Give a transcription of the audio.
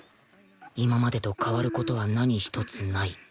今までと変わる事は何ひとつない